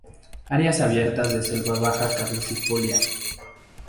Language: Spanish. Áreas abiertas de selva baja caducifolia.